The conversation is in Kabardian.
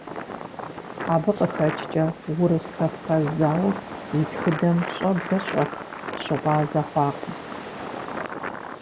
Абы къыхэкӀкӀэ Урыс-Кавказ зауэм и тхыдэм щӀэблэр щӀэх щыгъуазэ хъуакъым.